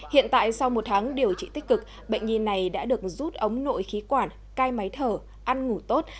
hiện tại sau một tháng điều trị tích cực bệnh nhi này đã được rút ống nội khí quản cai máy thở ăn ngủ tốt